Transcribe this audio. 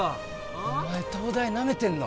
お前東大ナメてんの？